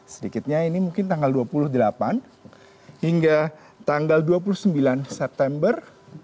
sedikitnya ini mungkin tanggal dua puluh delapan hingga tanggal dua puluh sembilan september